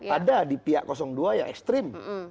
ada di pihak dua yang ekstrim